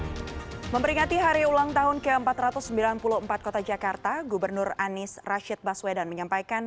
hai memperingati hari ulang tahun ke empat ratus sembilan puluh empat kota jakarta gubernur anies rashid baswedan menyampaikan